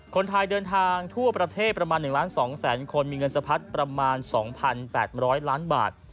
คนไทยเดินทางทั่วประเทศประมาณ๑ล้าน๒แสนคนมีเงินสะพัดประมาณ๒๘๐๐ล้านบาท